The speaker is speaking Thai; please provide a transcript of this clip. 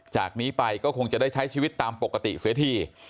จากนี้ไปก็คงจะได้ใช้ชีวิตตามปกติเสียที